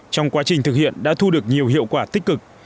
trong quá trình thực hiện đã thu được nhiều hiệu quả tích cực